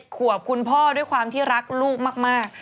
ขวบคุณพ่อด้วยความที่รักลูกมาก